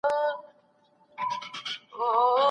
پرتله کول د حسد لامل کېږي.